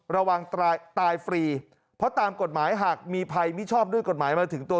ระวังตายฟรีเพราะตามกฎหมายหากมีภัยมิชอบด้วยกฎหมายมาถึงตัว